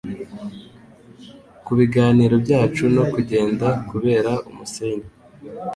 kubiganiro byacu no kugenda kubera umusenyi